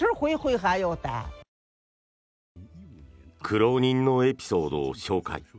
苦労人のエピソードを紹介。